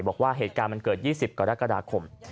บอกว่าเหตุการณ์มันเกิด๒๐กรกฎาคม